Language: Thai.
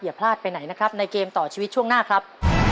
พลาดไปไหนนะครับในเกมต่อชีวิตช่วงหน้าครับ